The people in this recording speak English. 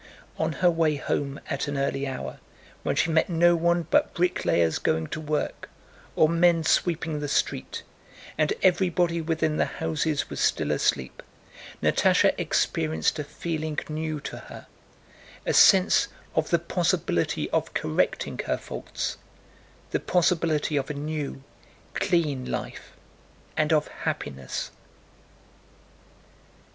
On her way home at an early hour when she met no one but bricklayers going to work or men sweeping the street, and everybody within the houses was still asleep, Natásha experienced a feeling new to her, a sense of the possibility of correcting her faults, the possibility of a new, clean life, and of happiness.